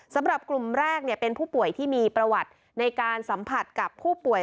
สำหรับกลุ่มแรกเป็นผู้ป่วยที่มีประวัติในการสัมผัสกับผู้ป่วย